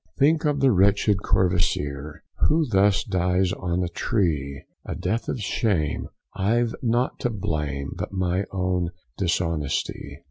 Think of the wretched Courvoisier, Who thus dies on a tree, A death of shame, I've nought to blame, But my own dishonesty.